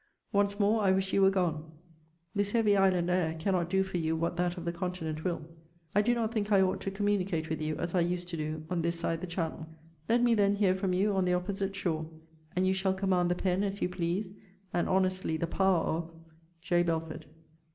Once more I wish you were gone. This heavy island air cannot do for you what that of the Continent will. I do not think I ought to communicate with you, as I used to do, on this side the Channel: let me, then, hear from you on the opposite shore, and you shall command the pen, as you please; and, honestly, the power of J. BELFORD.